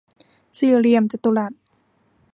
สี่เหลี่ยมจัตุรัส